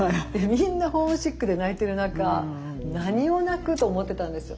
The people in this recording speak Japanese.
みんなホームシックで泣いてる中「何を泣く？」と思ってたんですよ。